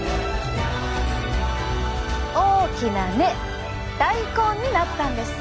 大きな根大根になったんです。